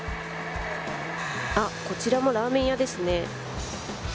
こちらもラーメン屋ですね。